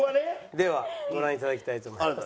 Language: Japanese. ではご覧頂きたいと思います。